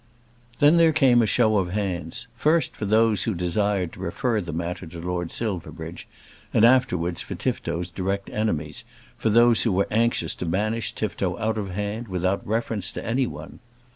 Then there came a show of hands, first for those who desired to refer the matter to Lord Silverbridge, and afterwards for Tifto's direct enemies, for those who were anxious to banish Tifto out of hand, without reference to any one.